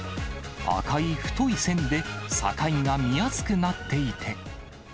赤い太い線で境が見やすくなっていて。